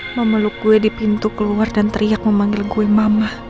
memeluk kue di pintu keluar dan teriak memanggil kue mama